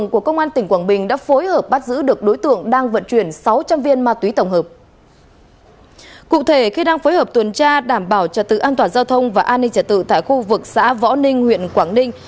cụ thể khi đang phối hợp tuần tra đảm bảo trật tự an toàn giao thông và an ninh trả tự tại khu vực xã võ ninh huyện quảng ninh